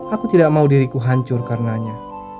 aku tidak mau diriku hancur karenanya